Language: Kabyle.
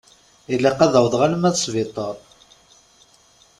Ilaq ad awḍeɣ alma d sbiṭar.